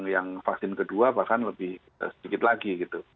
yang vaksin kedua bahkan lebih sedikit lagi gitu